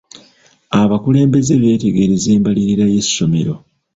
Abakulembeze beetegerezza embalirira y'essomero.